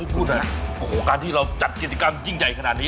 พูดหน่อยโอ้โหการที่เราจัดกิจกรรมยิ่งใหญ่ขนาดนี้